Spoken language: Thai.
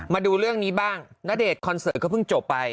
มาดูเรื่องนี้บ้างณเดชนคอนเสิร์ตเขาเพิ่งจบไป